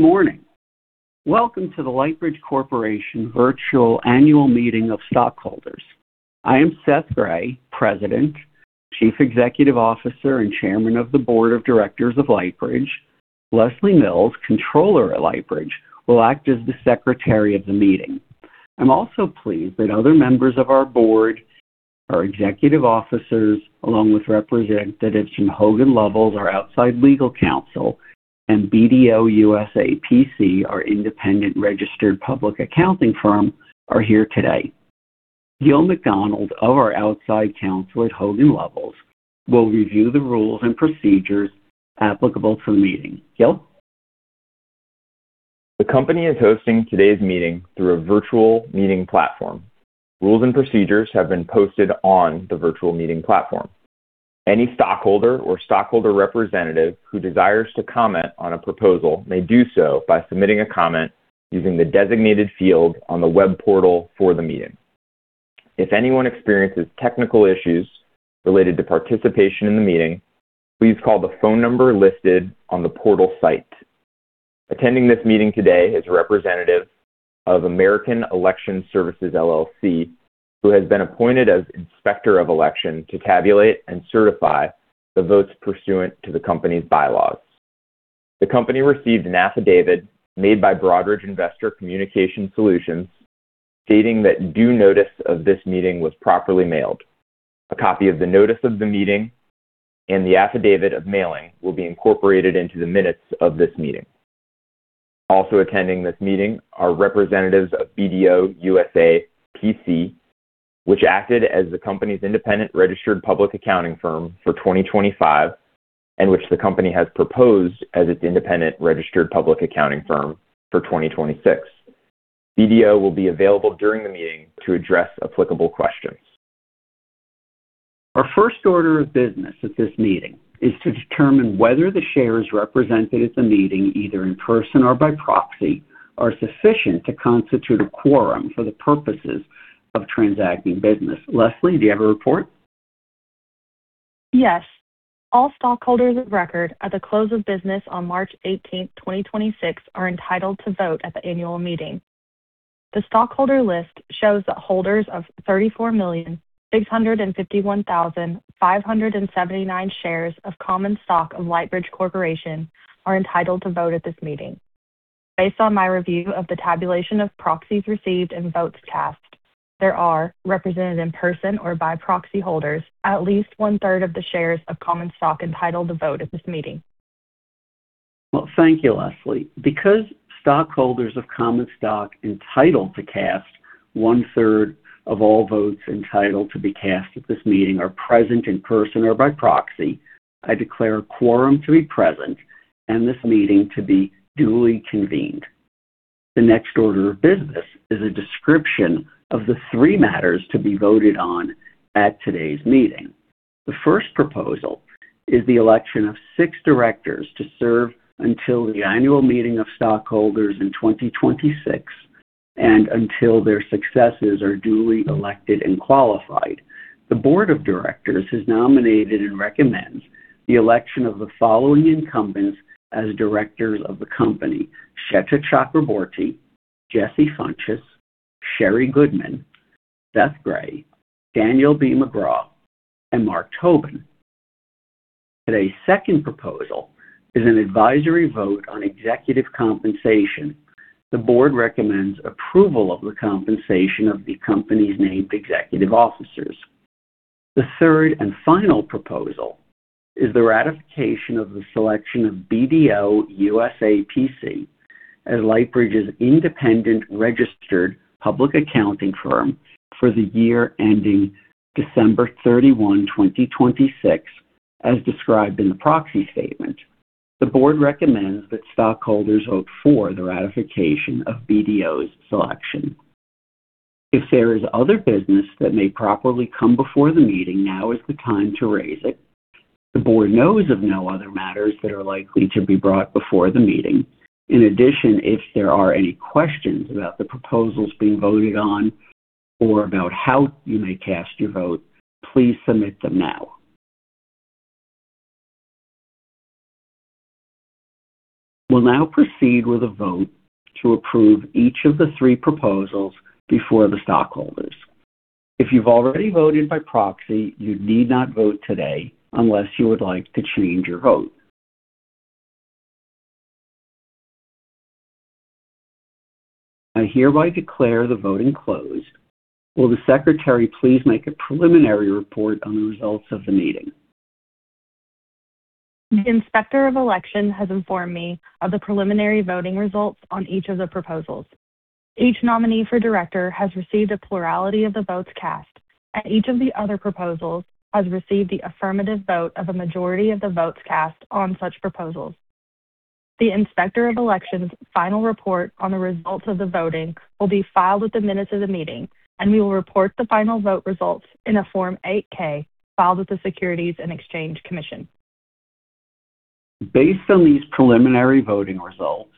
Morning. Welcome to the Lightbridge Corporation virtual annual meeting of stockholders. I am Seth Grae, President, Chief Executive Officer, and Chairman of the Board of Directors of Lightbridge. Lesli Mills, Controller at Lightbridge, will act as the Secretary of the meeting. I'm also pleased that other members of our board, our executive officers, along with representatives from Hogan Lovells, our outside legal counsel, and BDO USA, P.C., our independent registered public accounting firm, are here today. Gil McDonald of our outside counsel at Hogan Lovells will review the rules and procedures applicable to the meeting. Gil? The company is hosting today's meeting through a virtual meeting platform. Rules and procedures have been posted on the virtual meeting platform. Any stockholder or stockholder representative who desires to comment on a proposal may do so by submitting a comment using the designated field on the web portal for the meeting. If anyone experiences technical issues related to participation in the meeting, please call the phone number listed on the portal site. Attending this meeting today is a representative of American Election Services, LLC, who has been appointed as Inspector of Election to tabulate and certify the votes pursuant to the company's bylaws. The company received an affidavit made by Broadridge Investor Communication Solutions stating that due notice of this meeting was properly mailed. A copy of the notice of the meeting and the affidavit of mailing will be incorporated into the minutes of this meeting. Also attending this meeting are representatives of BDO USA, P.C., which acted as the company's independent registered public accounting firm for 2025, and which the company has proposed as its independent registered public accounting firm for 2026. BDO will be available during the meeting to address applicable questions. Our first order of business at this meeting is to determine whether the shares represented at the meeting, either in person or by proxy, are sufficient to constitute a quorum for the purposes of transacting business. Lesli, do you have a report? Yes. All stockholders of record at the close of business on March 18th, 2026 are entitled to vote at the annual meeting. The stockholder list shows that holders of 34,651,579 shares of common stock of Lightbridge Corporation are entitled to vote at this meeting. Based on my review of the tabulation of proxies received and votes cast, there are represented in person or by proxy holders at least one-third of the shares of common stock entitled to vote at this meeting. Thank you, Lesli. Because stockholders of common stock entitled to cast 1/3 of all votes entitled to be cast at this meeting are present in person or by proxy, I declare a quorum to be present and this meeting to be duly convened. The next order of business is a description of the three matters to be voted on at today's meeting. The first proposal is the election of six directors to serve until the annual meeting of stockholders in 2026 and until their successors are duly elected and qualified. The board of directors has nominated and recommends the election of the following incumbents as directors of the company: Sweta Chakraborty, Jesse Funches, Sherri Goodman, Seth Grae, Daniel Magraw Jr., and Mark Tobin. Today's second proposal is an advisory vote on executive compensation. The board recommends approval of the compensation of the company's named executive officers. The third and final proposal is the ratification of the selection of BDO USA, P.C. as Lightbridge's independent registered public accounting firm for the year ending December 31, 2026, as described in the proxy statement. The board recommends that stockholders vote for the ratification of BDO's selection. If there is other business that may properly come before the meeting, now is the time to raise it. The board knows of no other matters that are likely to be brought before the meeting. In addition, if there are any questions about the proposals being voted on or about how you may cast your vote, please submit them now. We'll now proceed with a vote to approve each of the three proposals before the stockholders. If you've already voted by proxy, you need not vote today unless you would like to change your vote. I hereby declare the voting closed. Will the secretary please make a preliminary report on the results of the meeting? The Inspector of Election has informed me of the preliminary voting results on each of the proposals. Each nominee for director has received a plurality of the votes cast. Each of the other proposals has received the affirmative vote of a majority of the votes cast on such proposals. The Inspector of Election's final report on the results of the voting will be filed with the minutes of the meeting, and we will report the final vote results in a Form 8-K filed with the Securities and Exchange Commission. Based on these preliminary voting results,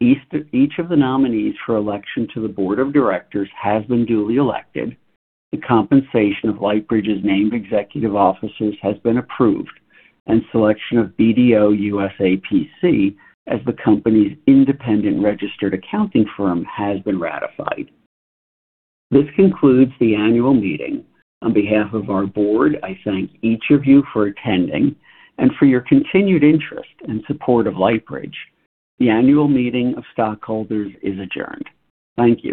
each of the nominees for election to the board of directors has been duly elected, the compensation of Lightbridge's named executive officers has been approved, and selection of BDO USA, P.C. as the company's independent registered accounting firm has been ratified. This concludes the annual meeting. On behalf of our board, I thank each of you for attending and for your continued interest and support of Lightbridge. The annual meeting of stockholders is adjourned. Thank you.